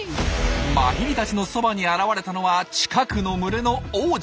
マヒリたちのそばに現れたのは近くの群れの王者。